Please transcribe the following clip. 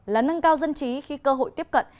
là nâng cao dân trí khi cơ hội tiếp cận